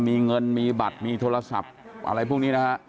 มีเงินมีบัตรมีโทรศัพท์อะไรพวกนี้นะฮะ